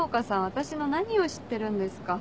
私の何を知ってるんですか。